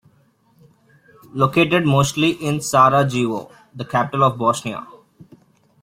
Located mostly in Sarajevo, the capital of Bosnia.